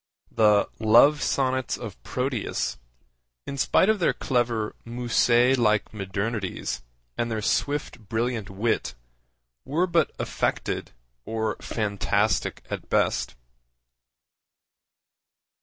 The Love Sonnets of Proteus, in spite of their clever Musset like modernities and their swift brilliant wit, were but affected or fantastic at best.